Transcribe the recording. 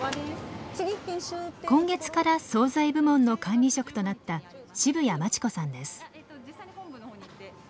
今月から惣菜部門の管理職となった渋谷真智子さんです。